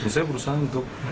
saya berusaha untuk